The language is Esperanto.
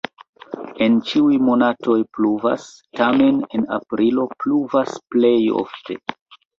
En ĉiuj monatoj pluvas, tamen en aprilo pluvas plej ofte.